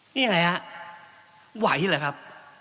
นี่ไงครับไหวเหรอครับ